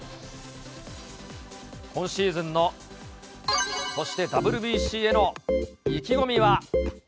今シーズンの、そしてＷＢＣへの意気込みは。